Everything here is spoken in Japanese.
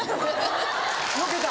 よけた！